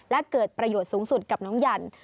และเกิดประโยชน์สูงสุดกับน้องยัน